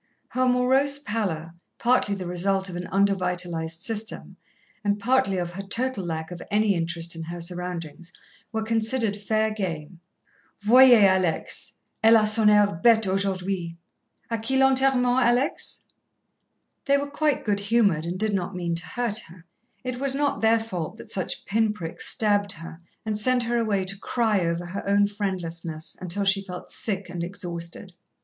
Her morose pallor, partly the result of an under vitalized system, and partly of her total lack of any interest in her surroundings, were considered fair game. "Voyez, Alex! Elle a son air bête aujourd'hui." "A qui l'enterrement, Alex?" They were quite good humoured, and did not mean to hurt her. It was not their fault that such pin pricks stabbed her and sent her away to cry over her own friendlessness until she felt sick and exhausted.